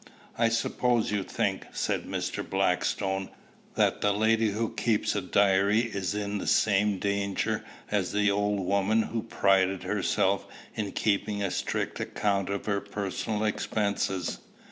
"I suppose you think," said Mr. Blackstone, "that the lady who keeps a diary is in the same danger as the old woman who prided herself in keeping a strict account of her personal expenses.